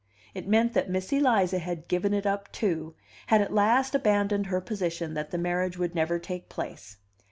It meant that Miss Eliza had given it up, too, had at last abandoned her position that the marriage would never take place.